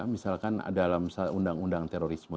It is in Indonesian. misalkan dalam undang undang terorisme